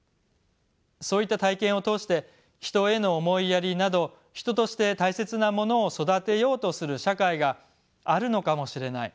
そういった体験を通して人への思いやりなど人として大切なものを育てようとする社会があるのかもしれない。